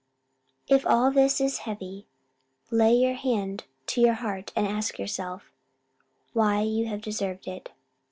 If all this is heavy, lay your hand to your heart, and ask yourself, why you have deserved it?